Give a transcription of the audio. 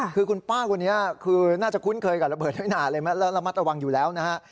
คือคุณป้าคนนี้คือน่าจะคุ้นเคยกับระเบิดทั้งหนาเลยแล้วระมัดระวังอยู่แล้วนะฮะ